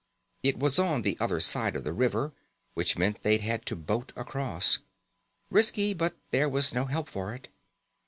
It was on the other side of the river, which meant they had to boat across. Risky, but there was no help for it.